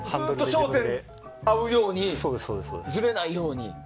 ずっと焦点合うようにずれないように。